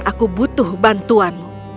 aku butuh bantuanmu